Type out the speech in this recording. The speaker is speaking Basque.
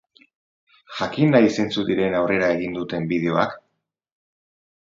Jakin nahi zeintzuk diren aurrera egin duten bideoak?